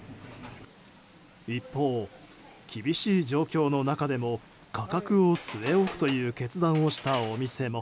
一方、厳しい状況の中でも価格を据え置くという決断をしたお店も。